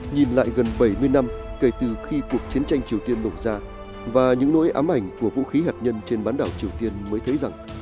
nhìn lại gần bảy mươi năm kể từ khi cuộc chiến tranh triều tiên nổ ra và những nỗi ám ảnh của vũ khí hạt nhân trên bán đảo triều tiên mới thấy rằng